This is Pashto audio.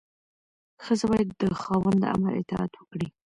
ښځه باید د خاوند د امر اطاعت وکړي.